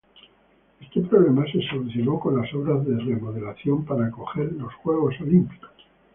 Este problema se solucionó con las obras de remodelación para acoger los Juegos Olímpicos.